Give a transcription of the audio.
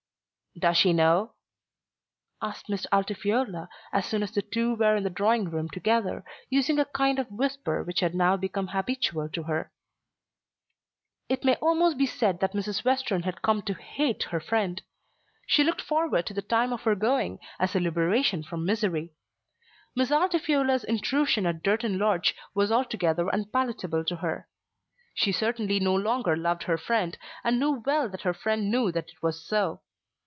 "Does she know?" asked Miss Altifiorla as soon as the two were in the drawing room together, using a kind of whisper which had now become habitual to her. It may almost be said that Mrs. Western had come to hate her friend. She looked forward to the time of her going as a liberation from misery. Miss Altifiorla's intrusion at Durton Lodge was altogether unpalatable to her. She certainly no longer loved her friend, and knew well that her friend knew that it was so.